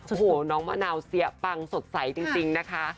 โอ้โหน้องมะนาวเสียปังสดใสจริงนะคะ